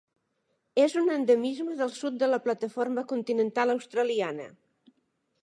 És un endemisme del sud de la plataforma continental australiana.